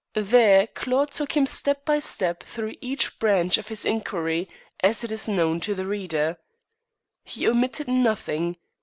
There Claude took him step by step through each branch of his inquiry as it is known to the reader. He omitted nothing.